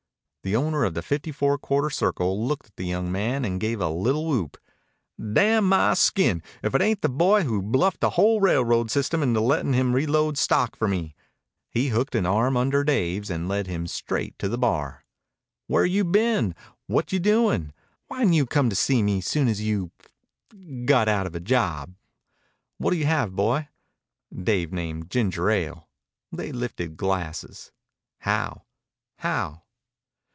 The owner of the Fifty Four Quarter Circle looked at the young man and gave a little whoop. "Damn my skin, if it ain't the boy who bluffed a whole railroad system into lettin' him reload stock for me!" He hooked an arm under Dave's and led him straight to the bar. "Where you been? What you doin'? Why n't you come to me soon as you ... got out of a job? What'll you have, boy?" Dave named ginger ale. They lifted glasses. "How?" "How?"